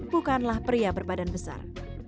bukanlah pria berbadan besar